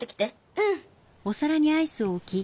うん。